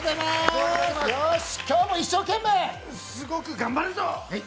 すごく頑張るぞ。